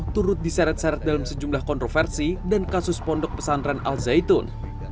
turut diseret seret dalam sejumlah kontroversi dan kasus pondok pesantren al zaitun